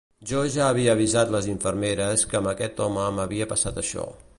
Jo ja havia avisat les infermeres que amb aquest home m’havia passat això.